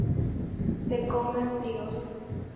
Se comen fríos.